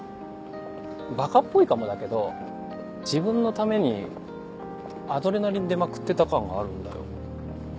バカっぽいかもだけど自分のためにアドレナリン出まくってた感があるんだよ。